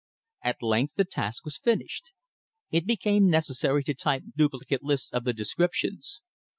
At length the task was finished. It became necessary to type duplicate lists of the descriptions.